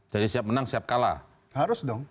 jadi siap menang siap kalah harus dong